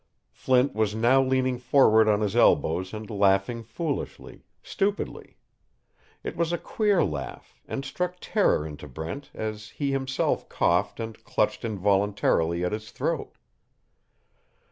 Flint was now leaning forward on his elbows and laughing foolishly, stupidly. It was a queer laugh, and struck terror into Brent as he himself coughed and clutched involuntarily at his throat.